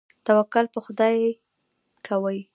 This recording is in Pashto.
توکل په خدای کوئ؟